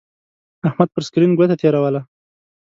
احمد پر سکرین گوته تېروله.